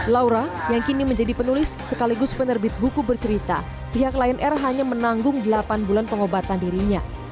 laura yang kini menjadi penulis sekaligus penerbit buku bercerita pihak lion air hanya menanggung delapan bulan pengobatan dirinya